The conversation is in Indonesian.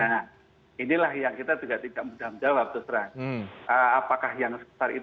nah inilah yang kita juga tidak mudah menjawab terus terang apakah yang sebesar itu